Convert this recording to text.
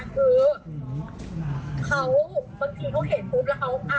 คือบางทีเขาเห็นปุ๊บแล้วเขา